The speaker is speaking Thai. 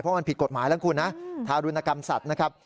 เพราะมันผิดกฎหมายแล้วคุณนะทารุณกรรมสัตว์นะครับ